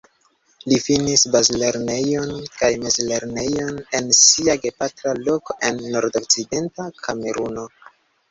Li finis bazlernejon kaj mezlernejon en sia gepatra loko en Nordokcidenta Kameruno.